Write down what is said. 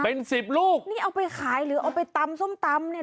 เป็นสิบลูกนี่เอาไปขายหรือเอาไปตำส้มตำเนี่ย